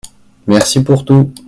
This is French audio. Merci pour tout.